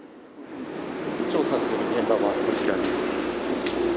調査する現場がこちらです。